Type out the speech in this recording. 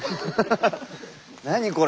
何これ。